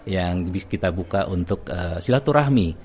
yang kita buka untuk silaturahmi